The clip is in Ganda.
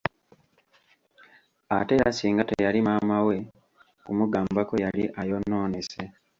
Ate era singa teyali maama we kumugambako yali ayonoonese.